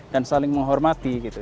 dan saling menghormati gitu